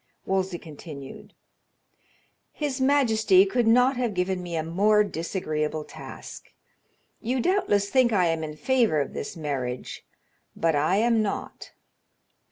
Wolsey continued: "His majesty could not have given me a more disagreeable task. You doubtless think I am in favor of this marriage, but I am not."